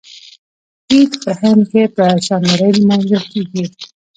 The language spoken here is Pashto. عید په هند کې په شاندارۍ لمانځل کیږي.